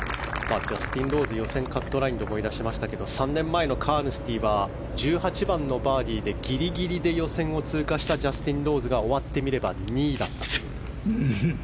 ジャスティン・ローズ予選カットラインで思い出しましたが３年前のカーヌスティは１８番のバーディーでギリギリで予選を通過したジャスティン・ローズが終わってみれば２位だったという。